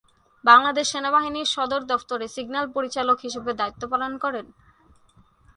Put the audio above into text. বাংলাদেশ সেনাবাহিনীর সদর দফতরে সিগন্যাল পরিচালক হিসেবে দায়িত্ব পালন করেন।